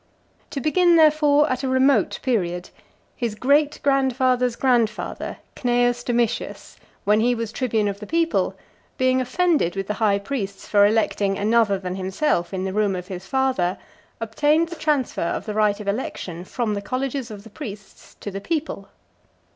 II. To begin, therefore, at a remote period, his great grandfather's grandfather, Cneius Domitius, when he was tribune of the people, being offended with the high priests for electing another than himself in the room of his father, obtained the (338) transfer of the right of election from the colleges of the priests to the people.